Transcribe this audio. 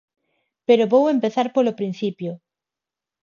Pero vou empezar polo principio.